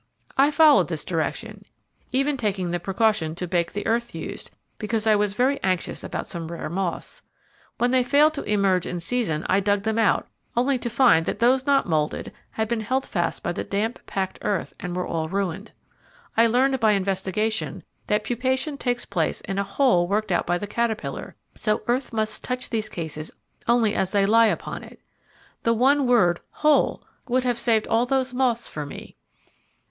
I followed this direction, even taking the precaution to bake the earth used, because I was very anxious about some rare moths. When they failed to emerge in season I dug them out, only to find that those not moulded had been held fast by the damp, packed earth, and all were ruined. I learned by investigation that pupation takes place in a hole worked out by the caterpillar, so earth must touch these cases only as they lie upon it. The one word 'hole' would have saved all those moths for me.